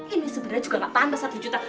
ini sebenarnya juga gak paham pak rp satu juta